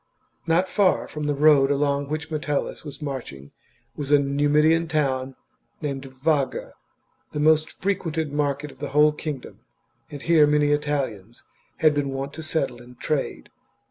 Not far from the road along which Metellus was chap. marching was a Numidian town named Vaga, the most frequented market of the whole kingdom ; and here many Italians had been wont to settle and trade.